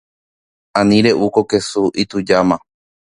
Ani re’u ko kesu. Itujáma.